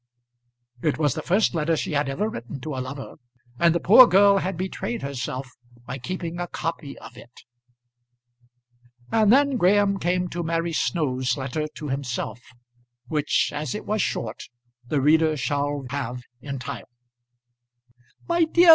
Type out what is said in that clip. It was the first letter she had ever written to a lover, and the poor girl had betrayed herself by keeping a copy of it. And then Graham came to Mary Snow's letter to himself, which, as it was short, the reader shall have entire. MY DEAR MR.